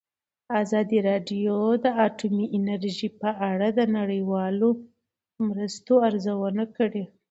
ازادي راډیو د اټومي انرژي په اړه د نړیوالو مرستو ارزونه کړې.